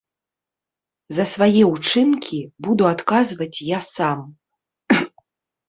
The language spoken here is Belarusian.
За свае ўчынкі буду адказваць я сам!